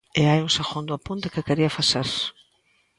E hai un segundo apunte que quería facer.